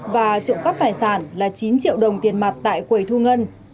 và trộm cắp tài sản là chín triệu đồng tiền mặt tại quầy thu ngân